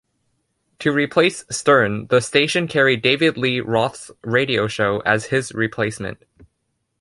To replace Stern, the station carried David Lee Roth's radio show as his replacement.